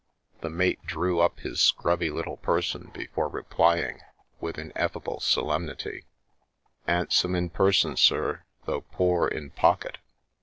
The mate drew up his scrubby little person before replying with ineffable solemnity: " 'An'some in person, sir, though poor in pocket